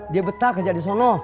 dia betah kerja di solo